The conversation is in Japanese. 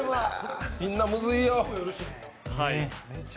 みんなむずいよ。